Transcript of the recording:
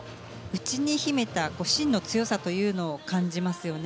内に秘めた芯の強さというのを感じますよね。